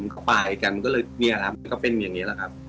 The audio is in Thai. ก็ป่ายกันมันก็เป็นอย่างนี้แล้วครับ